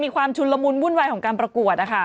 ความชุนละมุนวุ่นวายของการประกวดนะคะ